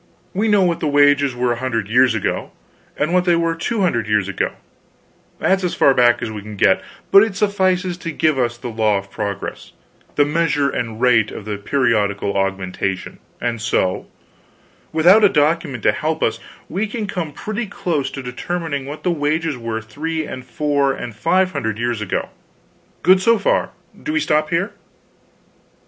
We know what the wages were a hundred years ago, and what they were two hundred years ago; that's as far back as we can get, but it suffices to give us the law of progress, the measure and rate of the periodical augmentation; and so, without a document to help us, we can come pretty close to determining what the wages were three and four and five hundred years ago. Good, so far. Do we stop there?